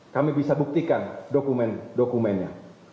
kami bisa buktikan dokumen dokumennya